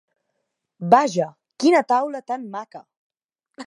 Vaja, quina taula tan maca!